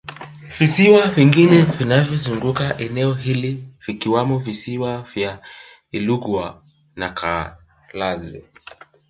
Visiwa vingine vinavyozunguka eneo hili vikiwamo Visiwa vya Ilugwa na Kulazu